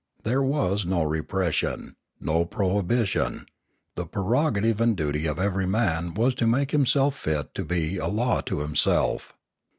There Ethics 60 1 was no repression, no prohibition; the prerogative and duty of every man was to make himself fit to be a law to himself.